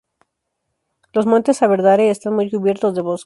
Los montes Aberdare están muy cubiertos de bosque.